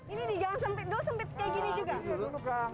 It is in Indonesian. ini nih jangan sempit dulu sempit kayak gini juga